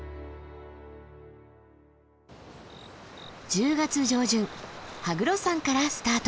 １０月上旬羽黒山からスタート。